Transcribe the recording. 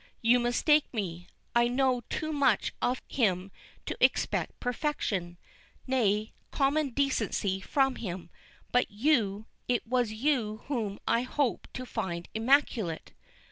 "You mistake me. I know too much of him to expect perfection nay, common decency from him. But you it was you whom I hoped to find immaculate."